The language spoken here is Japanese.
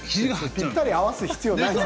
ぴったり合わせる必要はないの。